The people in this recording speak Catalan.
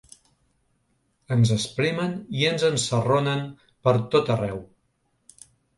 Ens espremen i ens ensarronen pertot arreu.